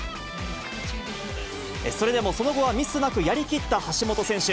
それでもその後はミスなくやり切った橋本選手。